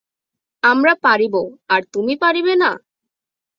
আমরা পারিব, আর তুমি পারিবে না!